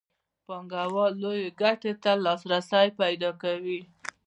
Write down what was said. پانګوال لویو ګټو ته لاسرسی پیدا کوي